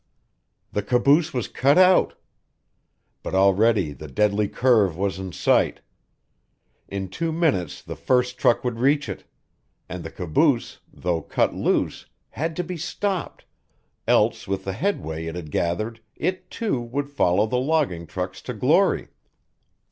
The caboose was cut out! But already the deadly curve was in sight; in two minutes the first truck would reach it; and the caboose, though cut loose, had to be stopped, else with the headway it had gathered, it, too, would follow the logging trucks to glory.